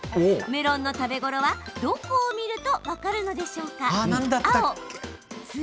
メロンの食べ頃は、どこを見ると分かるのでしょうか？